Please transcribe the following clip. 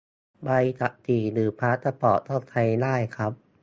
ใบขับขี่ หรือพาสปอร์ต ก็ใช้ได้ครับ